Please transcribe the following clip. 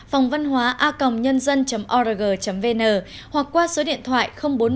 phòngvănhoaacongnhân dân org vn hoặc qua số điện thoại bốn mươi ba hai trăm sáu mươi sáu chín nghìn năm trăm linh tám